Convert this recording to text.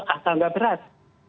asal nggak berat